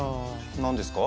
何ですか？